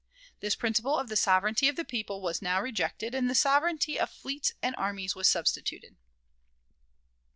This principle of the sovereignty of the people was now rejected, and the sovereignty of fleets and armies was substituted.